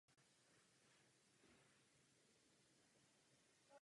Píseň pochází z jeho debutového alba "For Your Entertainment".